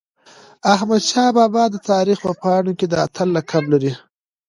احمدشاه بابا د تاریخ په پاڼو کي د اتل لقب لري.